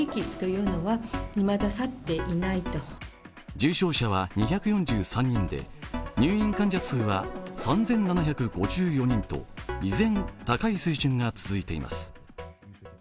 重症者は２４３人で、入院患者数は３７５４人と依然、高い水準が続いています。